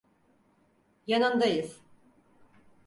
Yanındayız.